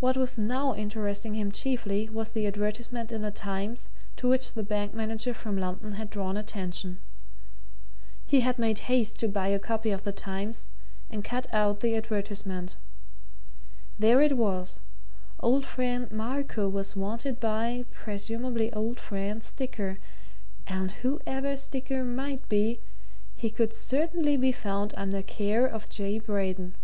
What was now interesting him chiefly was the advertisement in the Times to which the bank manager from London had drawn attention. He had made haste to buy a copy of the Times and to cut out the advertisement. There it was old friend Marco was wanted by (presumably old friend) Sticker, and whoever Sticker might be he could certainly be found under care of J. Braden.